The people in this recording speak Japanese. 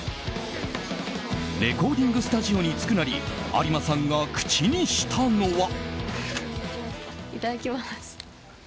レコーディングスタジオに着くなり有馬さんが口にしたのは。